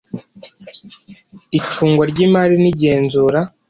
icungwa ry imari n igenzura